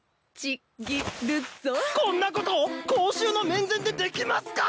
こんなこと公衆の面前でできますか！